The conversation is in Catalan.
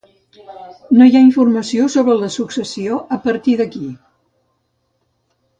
No hi ha informació sobre la successió a partir d'aquí.